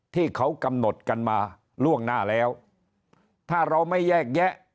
ที่เขากำหนดกันมาล่วงหน้าแล้วถ้าเราไม่แยกแยะ